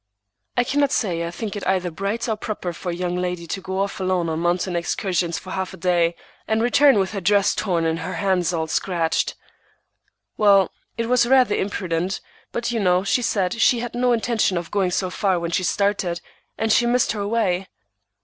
"I cannot say I think it either bright or proper for a young lady to go off alone on mountain excursions for half a day, and return with her dress torn and her hands all scratched." "Well, it was rather imprudent, but you know she said she had no intention of going so far when she started, and she missed her way."